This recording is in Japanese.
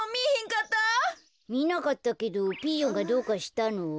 みなかったけどピーヨンがどうかしたの？